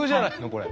これ。